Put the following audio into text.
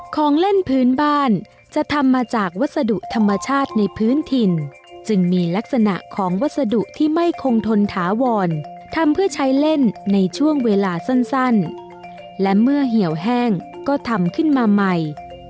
ของเล่นพื้นบ้านจะทำมาจากวัสดุธรรมชาติในพื้นถิ่นจึงมีลักษณะของวัสดุที่ไม่คงทนถาวรทำเพื่อใช้เล่นในช่วงเวลาสั้นและเมื่อเหี่ยวแห้งก็ทำขึ้นมาใหม่